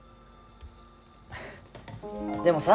でもさ。